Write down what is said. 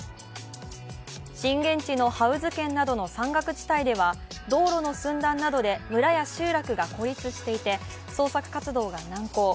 震源地のハウズ県などの山岳地帯では道路の寸断などで、村や集落が孤立していて捜索活動が難航。